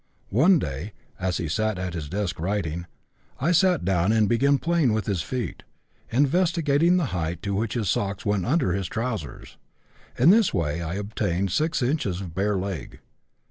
One day, as he sat at his desk writing, I sat down and began playing with his feet, investigating the height to which his socks went under his trousers; in this way I obtained six inches of bare leg.